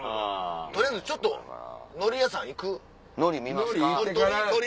取りあえずちょっと海苔屋さん行く？海苔見ますか。